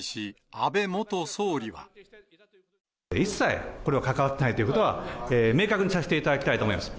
一切、これに関わっていないということは、明確にさせていただきたいと思います。